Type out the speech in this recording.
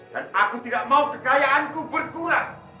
dan aku tidak mau kekayaanku berkurang